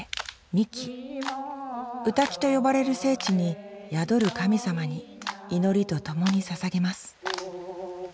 「御嶽」と呼ばれる聖地に宿る神様に祈りとともにささげます